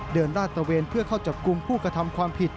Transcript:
เดินละตะเวียนเพื่อเข้าจับกรุงผู้กระทำความผิด